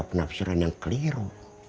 penafsuran yang keliru